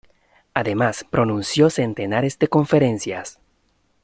Además pronunció centenares de conferencias.